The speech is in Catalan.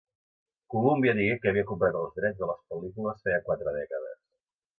Columbia digué que havia comprat els drets de les pel·lícules feia quatre dècades.